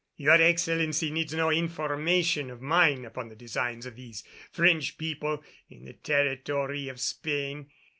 "Your Excellency needs no information of mine upon the designs of these French people in the territory of Spain.